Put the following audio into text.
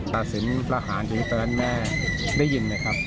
ตัดสินประหารชีวิตตอนนั้นแม่ได้ยินไหมครับ